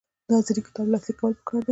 د حاضري کتاب لاسلیک کول پکار دي